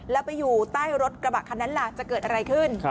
แล้วไปอยู่ใต้รถกระบะคันนั้นล่ะจะเกิดอะไรขึ้น